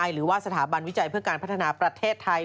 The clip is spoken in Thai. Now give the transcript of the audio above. หรือว่าสถาบันวิจัยเพื่อการพัฒนาประเทศไทย